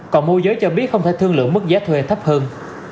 còn môi giới cho biết không thể thương lượng mức giá thuê thấp hơn